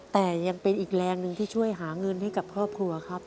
แต่ยังเป็นอีกแรงหนึ่งที่ช่วยหาเงินให้กับครอบครัวครับ